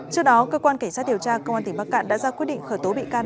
trước đó cơ quan cảnh sát điều tra công an tỉnh bắc cạn đã ra quyết định khởi tố bị can